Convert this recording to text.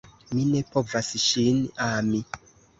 Mi ne povas ŝin ami!